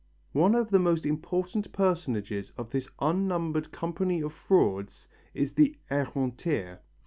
One of the most important personages of this unnumbered company of frauds is the ereinteur.